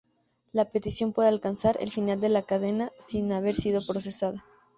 La petición puede alcanzar el final de la cadena sin haber sido procesada.